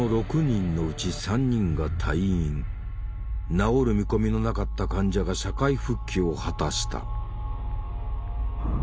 治る見込みのなかった患者が社会復帰を果たした。